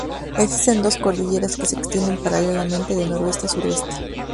Existen dos cordilleras que se extienden paralelamente de noroeste a sureste.